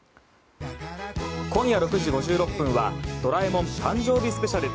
今夜６時５６分は「ドラえもん誕生日スペシャル」。